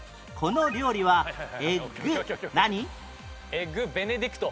エッグベネディクト。